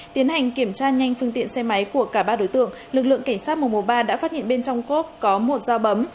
tiến hành kiểm tra nhanh phương tiện xe máy của cả ba đối tượng lực lượng cảnh sát mùa mùa ba đã phát hiện bên trong cốt có một dao bấm